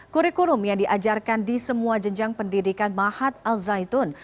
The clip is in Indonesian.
kurikulum yang diajarkan di semua jenjang pendidikan mahat al zaitun